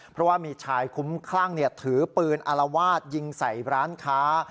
เพราะว่ามีชายคุ้มคลั่งถือปืนอารวาสยิงใส่ร้านค้า